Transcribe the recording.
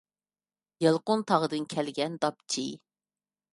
يالقۇنتاغدىن كەلگەن داپچى.